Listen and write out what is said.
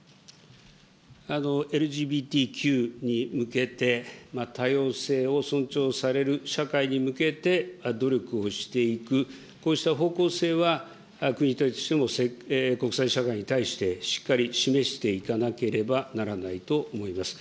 ＬＧＢＴＱに向けて多様性を尊重される社会に向けて、努力をしていく、こうした方向性は、国としても国際社会に対してしっかり示していかなければならないと思います。